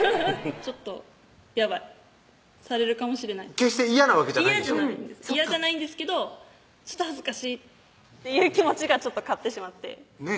ちょっとやばいされるかもしれない決して嫌なわけじゃないんでしょ嫌じゃないんですけど恥ずかしいっていう気持ちがちょっと勝ってしまってねぇ